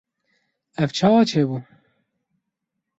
Ev çawa çêbû?